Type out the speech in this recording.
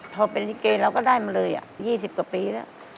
พอเป็นลิเกเราก็ได้มาเลย๒๐กว่าปีแล้ว